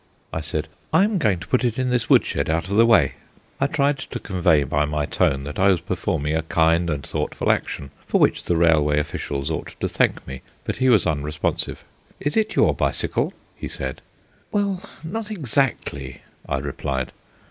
I said: "I am going to put it in this wood shed out of the way." I tried to convey by my tone that I was performing a kind and thoughtful action, for which the railway officials ought to thank me; but he was unresponsive. "Is it your bicycle?" he said. "Well, not exactly," I replied.